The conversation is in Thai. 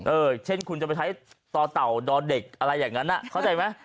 เออเช่นที่คุณจะไปใช้ต่อต่่อดอเด็กกอะไรแบบนั้นอ่ะเข้าใจไหม